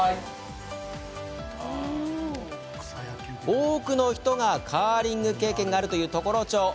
多くの人がカーリング経験があるという常呂町。